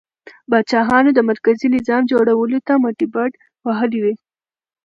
پاچاهانو د مرکزي نظام جوړولو ته مټې بډ وهلې وې.